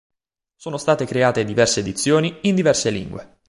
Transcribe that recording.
Sono state create diverse edizioni, in diverse lingue.